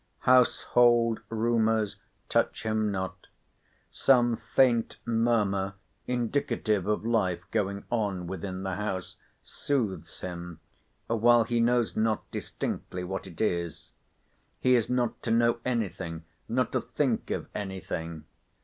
Household rumours touch him not. Some faint murmur, indicative of life going on within the house, soothes him, while he knows not distinctly what it is. He is not to know any thing, not to think of any thing.